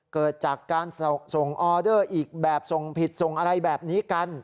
เกิดจากการส่งออเดอร์อีกแบบส่งผิดส่งอะไรแบบนี้กัน